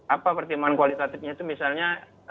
apa pertimbangan kualitatifnya itu misalnya